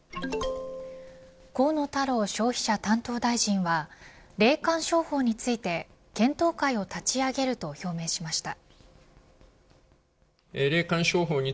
河野太郎消費者担当大臣は霊感商法について検討会を立ち上げると表明しました。